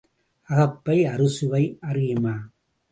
அகப்பை அறுசுவை அறியுமா?